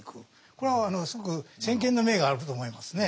これはすごく先見の明があると思いますね。